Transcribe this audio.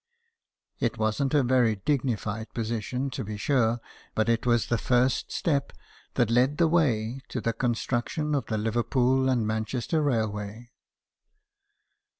It wasn't a very dignified position, to be sure, but it was the first step that led the way to the construction of the Liverpool and Manchester Railway.